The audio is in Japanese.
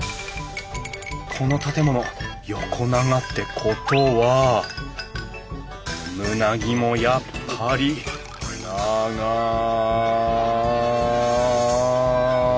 この建物横長ってことは棟木もやっぱり長い！